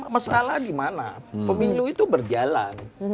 masalah di mana pemilu itu berjalan